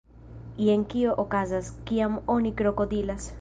Jen kio okazas, kiam oni krokodilas